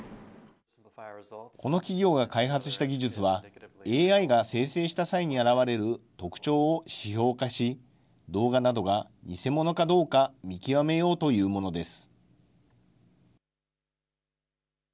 この企業が開発した技術は、ＡＩが生成した際に現れる特徴を指標化し、動画などが偽物かどうか見極めようというものです。